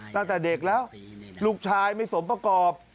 ตั้งแต่เด็กแล้วลูกชายไม่สมประกอบ